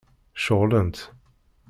Ceɣlent.